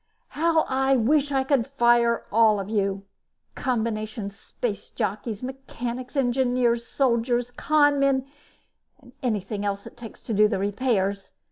"How I wish I could fire you all! Combination space jockeys, mechanics, engineers, soldiers, con men and anything else it takes to do the repairs.